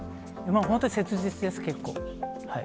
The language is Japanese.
本当切実です、結構。